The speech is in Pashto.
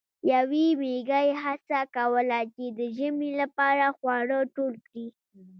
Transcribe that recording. یوې میږی هڅه کوله چې د ژمي لپاره خواړه ټول کړي.